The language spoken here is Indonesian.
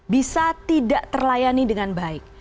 bisa tidak terlayani dengan baik